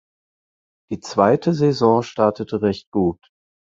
Die zweite Saison startete recht gut.